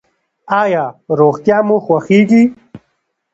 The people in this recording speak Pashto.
ایا روغتیا مو خوښیږي؟